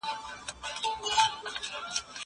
زه به ليکلي پاڼي ترتيب کړي وي.